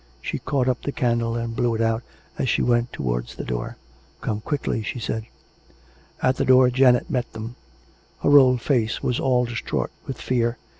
She caught up the candle and blew it out, as she went towards the door. " Come quickly," she said. At the door Janet met them. Her old face was all dls 418 COME RACK! COME ROPE! traught with fear.